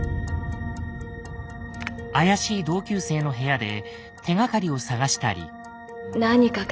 怪しい同級生の部屋で手がかりを探したり。